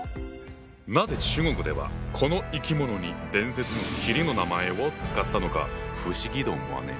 なぜ中国ではこの生き物に伝説の麒麟の名前を使ったのか不思議と思わねえ？